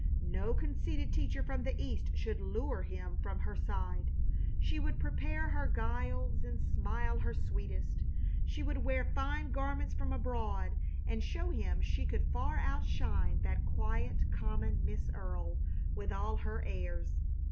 No conceited teacher from the East should lure him from her side. She would prepare her guiles and smile her sweetest. She would wear fine garments from abroad, and show him she could far outshine that quiet, common Miss Earle, with all her airs.